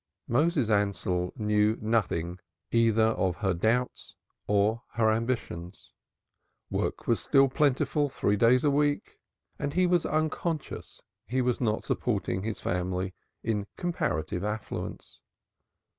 Moses Ansell knew nothing either of her doubts or her ambitions. Work was still plentiful three days a week, and he was unconscious he was not supporting his family in comparative affluence.